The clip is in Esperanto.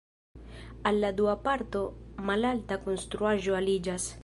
Al la dua parto malalta konstruaĵo aliĝas.